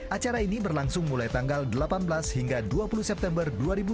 acara ini berlangsung mulai tanggal delapan belas hingga dua puluh september dua ribu dua puluh